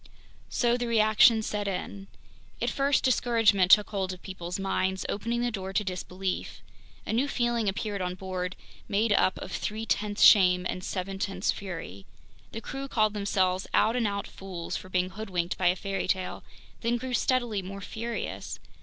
So the reaction set in. At first, discouragement took hold of people's minds, opening the door to disbelief. A new feeling appeared on board, made up of three tenths shame and seven tenths fury. The crew called themselves "out and out fools" for being hoodwinked by a fairy tale, then grew steadily more furious!